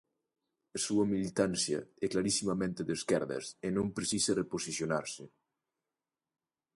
A súa militancia é clarisimamente de esquerdas e non precisa reposicionarse.